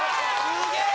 すげえ！